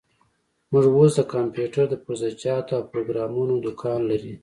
موږ اوس د کمپيوټر د پرزه جاتو او پروګرامونو دوکان لري.